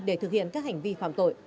để thực hiện các hành vi phạm tội